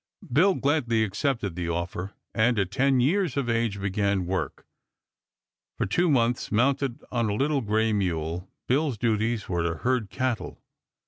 Bill gladly accepted the offer, and at ten years of age began work. For two months, mounted on a little gray mule, Bill's duties were to herd cattle.